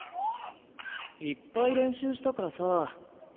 いっぱい練習したからさ。